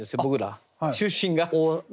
僕ら出身が。